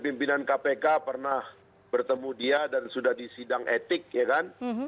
pimpinan kpk pernah bertemu dia dan sudah di sidang etik ya kan